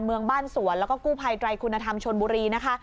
เมืองบ้านสวนแล้วก็กู้ภัยไตรคุณธรรมชนบุรีนะคะ